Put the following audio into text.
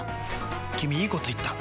君いいこと言った！